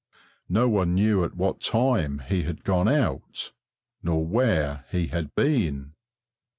No one knew at what time he had gone out, nor where he had been.